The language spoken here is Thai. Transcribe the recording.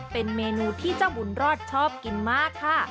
เป็นเมนูที่เจ้าบุญรอดชอบกินมากค่ะ